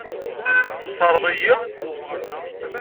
Textaṛeḍ-iyi?